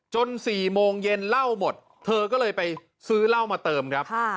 ๔โมงเย็นเหล้าหมดเธอก็เลยไปซื้อเหล้ามาเติมครับ